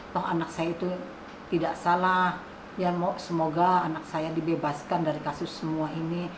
toh anak saya itu tidak salah ya semoga anak saya dibebaskan dari kasus semua ini